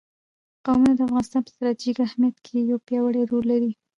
قومونه د افغانستان په ستراتیژیک اهمیت کې یو پیاوړی رول لري.